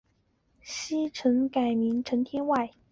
昔曾改名陈天崴。